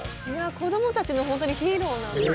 子どもたちの本当にヒーローなんです。